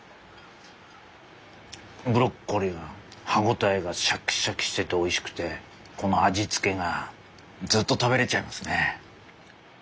ブロッコリーの歯応えがシャキシャキしてておいしくてこの味付けがずっと食べれちゃいますね。